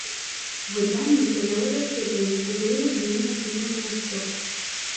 Выданне правяло даследаванне ўплыву зменаў клімату на спорт.